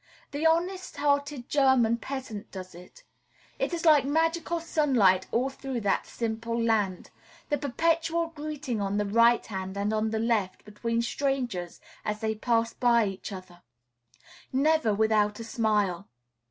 The honest hearted German peasant does it. It is like magical sunlight all through that simple land, the perpetual greeting on the right hand and on the left, between strangers, as they pass by each other, never without a smile.